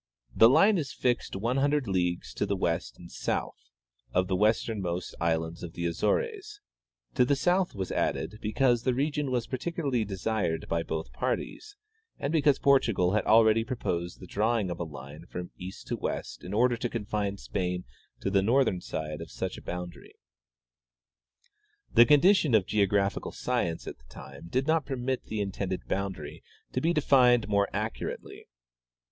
The line is fixed one hundred leagues to the west and south of the westernmost island of the Azores, ' To the south ' was added because the region was particularly desired by both parties, and because Portugal had already proposed the drawing of a line from east to west in order to confine Spain to the northern side of such a boundary. The condition of geographical science at the time did not permit the intended boundary to be defined more accu rately.